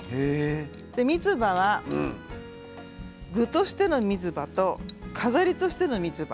みつばは具としてのみつばと飾りとしてのみつば